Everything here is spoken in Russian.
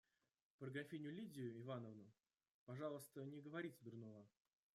Про графиню Лидию Ивановну, пожалуйста, не говорите дурного.